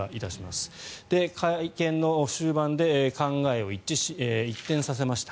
会見の終盤で考えを一転させました。